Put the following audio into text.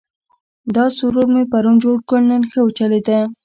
دا سرور مې پرون جوړ کړ، نن ښه چلېده.